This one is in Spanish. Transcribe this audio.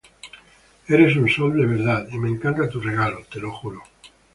eres un sol, de verdad, y me encanta tu regalo, te lo juro